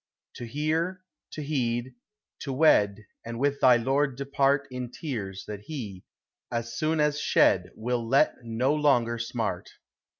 To hear, to heed, to wed, And with thy lord depart In tears that he, as soon as shed, Will let no longer smart.